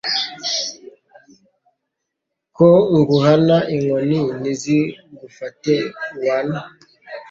Ko nguhana inkoni ntizigufate wana